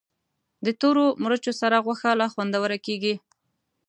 د تورو مرچو سره غوښه لا خوندوره کېږي.